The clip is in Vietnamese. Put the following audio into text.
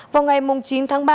vào ngày chín tháng ba